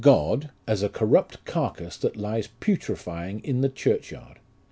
101 God as a corrupt carcase that lies putrifying in the churchyard.